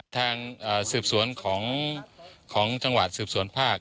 ทางสืบสวนของจังหวัดสืบสวนภาค